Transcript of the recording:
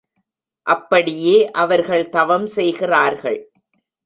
அப்படியே அவர்கள் தவம் செய்கிறார்கள்.